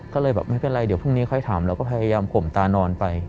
ก็เลยแบบไม่เป็นไรเดี๋ยวพรุ่งนี้ค่อยถามเราก็พยายามข่มตานอนไป